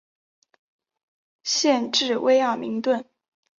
县治威尔明顿。